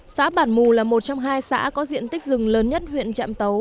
xã bản mù là một trong hai xã có diện tích rừng lớn nhất huyện trạm tấu